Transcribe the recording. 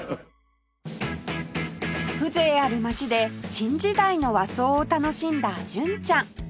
風情ある街で新時代の和装を楽しんだ純ちゃん